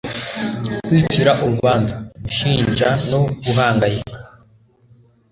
kwicira urubanza, gushinja no guhangayika.